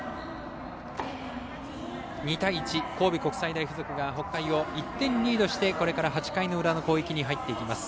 ２対１、神戸国際大付属が北海を１点リードしてこれから８回裏の攻撃に入っていきます。